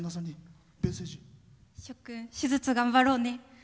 手術、頑張ろうね。